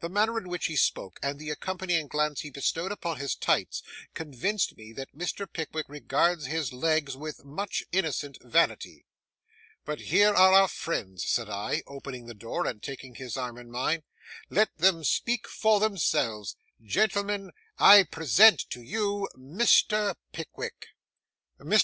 The manner in which he spoke, and the accompanying glance he bestowed upon his tights, convince me that Mr. Pickwick regards his legs with much innocent vanity. 'But here are our friends,' said I, opening the door and taking his arm in mine; 'let them speak for themselves.—Gentlemen, I present to you Mr. Pickwick.' Mr.